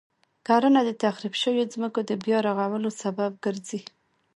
کرنه د تخریب شويو ځمکو د بیا رغولو سبب ګرځي.